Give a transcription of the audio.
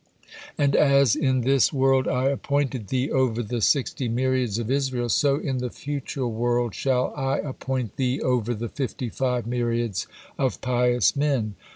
And as in this world I appointed thee over the sixty myriads of Israel, so in the future world shall I appoint thee over the fifty five myriads of pious men.